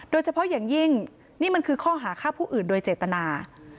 โดยเฉพาะอย่างยิ่งนี่มันคือข้อหาฆ่าผู้อื่นโดยเจตนา